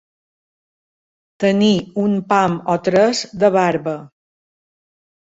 Tenir un pam o tres de barba.